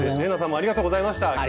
玲奈さんもありがとうございました。